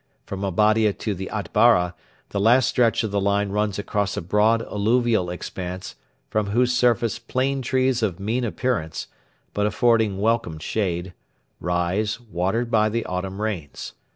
From Abadia to the Atbara the last stretch of the line runs across a broad alluvial expanse from whose surface plane trees of mean appearance, but affording welcome shade, rise, watered by the autumn rains.